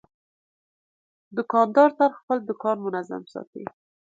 دوکاندار تل خپل دوکان منظم ساتي.